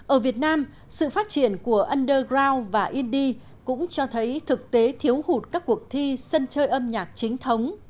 ở việt nam sự phát triển của underground và indie cũng cho thấy thực tế thiếu hụt các cuộc thi sân chơi âm nhạc chính thống